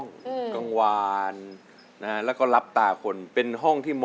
นี่คือเพลงแรกของน้องครูคนเก่งของพี่